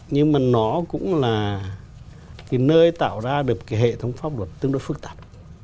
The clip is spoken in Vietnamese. nhưng mà nó cũng là cái nơi tạo ra được cái hệ thống pháp luật tương đối phức tạp